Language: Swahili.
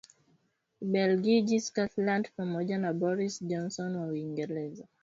Ubelgiji Scotland pamoja na Boris Johnson wa Uingereza